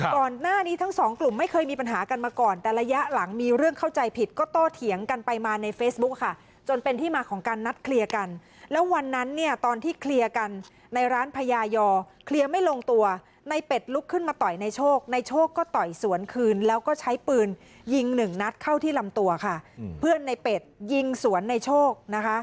ก่อนหน้านี้ทั้งสองกลุ่มไม่เคยมีปัญหากันมาก่อนแต่ระยะหลังมีเรื่องเข้าใจผิดก็โตเถียงกันไปมาในเฟซบุ๊คค่ะจนเป็นที่มาของการนัดเคลียร์กันแล้ววันนั้นเนี่ยตอนที่เคลียร์กันในร้านพญายอเคลียร์ไม่ลงตัวในเป็ดลุกขึ้นมาต่อยในโชคในโชคก็ต่อยสวนคืนแล้วก็ใช้ปืนยิงหนึ่งนัดเข้าที่ลำตัวค่ะเพื่อนในเป็ดยิงสวนในโชคนะคะ